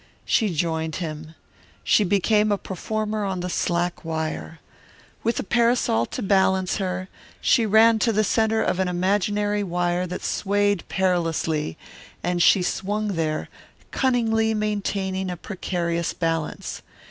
She joined him. She became a performer on the slack wire. With a parasol to balance her, she ran to the centre of an imaginary wire that swayed perilously, and she swung there, cunningly maintaining a precarious balance.